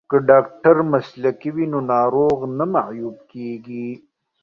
که ډاکټر مسلکی وي نو ناروغ نه معیوب کیږي.